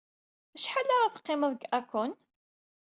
Acḥal ara teqqimeḍ deg Hakone?